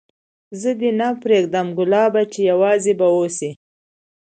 زه دي نه پرېږدم ګلابه چي یوازي به اوسېږې